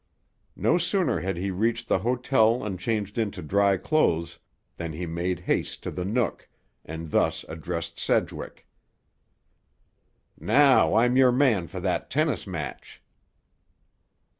No sooner had he reached the hotel and changed into dry clothes, than he made haste to the Nook, and thus addressed Sedgwick. "Now I'm your man for that tennis match."